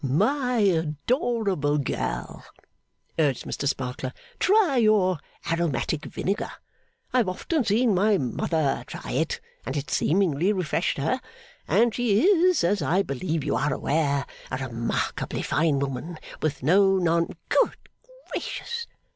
'My adorable girl,' urged Mr Sparkler, 'try your aromatic vinegar. I have often seen my mother try it, and it seemingly refreshed her. And she is, as I believe you are aware, a remarkably fine woman, with no non ' 'Good Gracious!